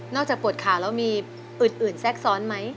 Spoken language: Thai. นอกจากปวดคาแล้วมีอึดแซกซ้อนไหม